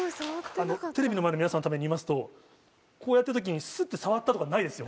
テレビの前の皆さんのために言いますとこうやった時にスッて触ったとかないですよ